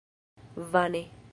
Vane!